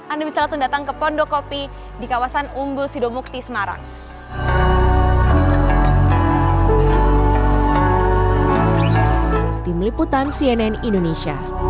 anda bisa langsung datang ke pondok kopi di kawasan umbul sidomukti semarang